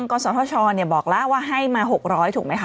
ก็คือเทศพระชนี้บอกล่าว่าให้มา๖๐๐ล้านถูกมั้ยค่ะ